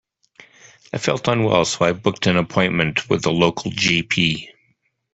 I felt unwell so I booked an appointment with the local G P.